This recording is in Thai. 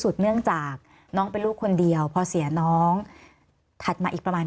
เนื่องจากน้องเป็นลูกคนเดียวพอเสียน้องถัดมาอีกประมาณ